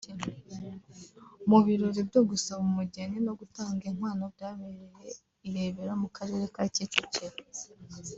Mu birori byo gusaba umugeni no gutanga inkwano byabereye i Rebero mu Karere ka Kicukiro